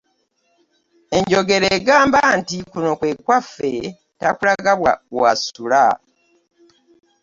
Enjogera egamba nti kuno kwe kwaffe takulaga w'asula